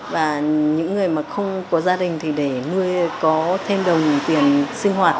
và những người mà không có gia đình thì để nuôi có thêm đồng tiền sinh hoạt